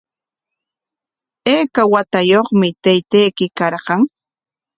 ¿Ayka waakayuqmi taytayki karqan?